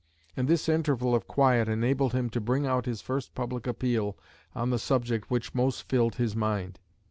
And this interval of quiet enabled him to bring out his first public appeal on the subject which most filled his mind.